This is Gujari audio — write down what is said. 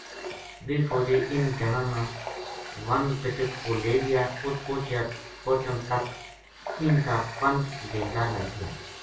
ویہ فوجی اِنھ جنا نا ون پِٹک پو لے گیا اُت پوہچتاں تک اِنھ کا پنج گھینٹا لگ گیا